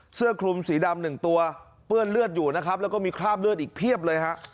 เสื้อคลุมสีดำหนึ่งตัวเปื้อนเลือดอยู่นะครับแล้วก็มีคราบเลือดอีกเพียบเลยฮะ